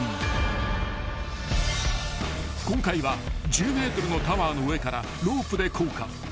［今回は１０ｍのタワーの上からロープで降下］